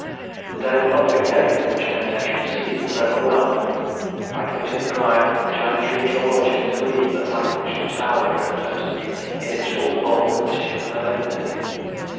The day of conflict came, in which temptation seized and overwhelmed me! I committed the crime, which I entreat your lordship to believe that my conscience hourly represents to me in its full bulk of mischief and malignity.